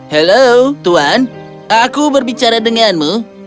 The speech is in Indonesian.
halo tuan aku berbicara denganmu